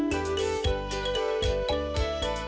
mau bantuin bang mamat